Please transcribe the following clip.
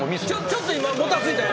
ちょっと今もたついたよね。